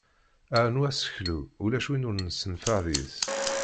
Arnu aseklu ulac win ur nessenfeɛ deg-s.